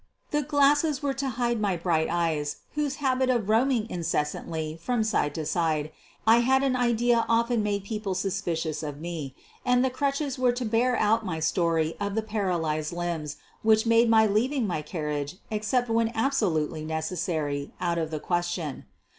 The glasses were to hide my bright eyes, whose habit of roaming incessantly from side to side I had an idea often made people suspicious of me; and the crutches were to bear ont my story of the paralyzed limbs which made 220 SOPHIE LYONS "my leaving my carriage except when absolutely necessary out of the question.